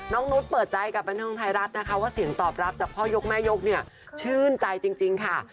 น้องนุฏฟิลาวเปิดใจกับบรรทางไทยรัฐนะคะว่าเสียงทอบรับจากพ่อหยกแม่หยกนี่ชื่นใจจริงค่ะ